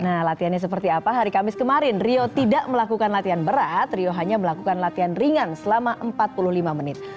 nah latihannya seperti apa hari kamis kemarin rio tidak melakukan latihan berat rio hanya melakukan latihan ringan selama empat puluh lima menit